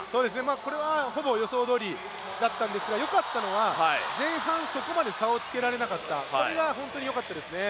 これはほぼ予想どおりでしたがよかったのは前半、そこまで差をつけられなかったこれは本当によかったですね。